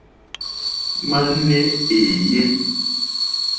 Ŋwáné èyé.